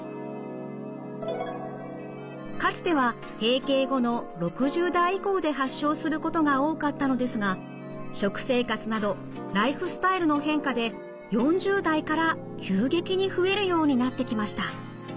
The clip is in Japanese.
かつては閉経後の６０代以降で発症することが多かったのですが食生活などライフスタイルの変化で４０代から急激に増えるようになってきました。